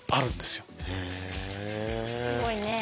すごいね。